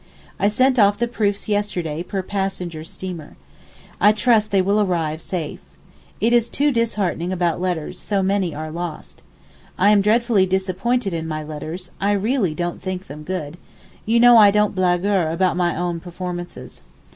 I sent off the proofs yesterday per passenger steamer. I trust they will arrive safe. It is too disheartening about letters, so many are lost. I am dreadfully disappointed in my letters, I really don't think them good—you know I don't blaguer about my own performances.